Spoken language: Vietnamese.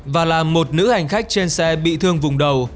và làm một nữ hành khách trên xe bị thương vùng đầu